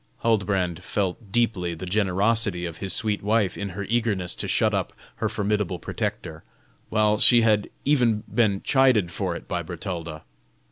Huldbrand felt deeply the generosity of his sweet wife, in her eagerness to shut up her formidable protector, while she had even been chided for it by Bertalda.